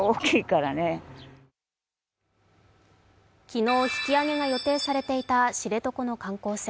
昨日引き揚げが予定されていた知床の観光船。